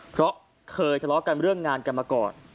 เพราะเคยทะเลาะกันเรื่องงานกันมาก่อน